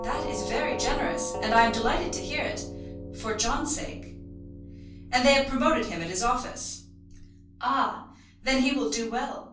"That is very generous; and I am delighted to hear it, for John's sake." "And they have promoted him at his office." "Ah! then he will do well."